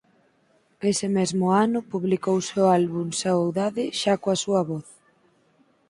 Ese mesmo ano publicouse o álbum "Saudade" xa coa súa voz.